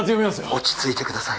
落ち着いてください